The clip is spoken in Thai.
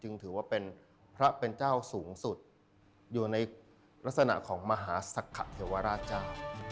ถือว่าเป็นพระเป็นเจ้าสูงสุดอยู่ในลักษณะของมหาสักขะเทวราชเจ้า